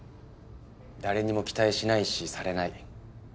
誰にも期待しないしされない。